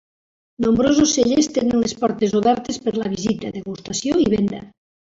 Nombrosos cellers tenen les portes obertes per la visita, degustació i venda.